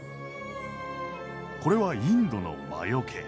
これはインドの魔よけ。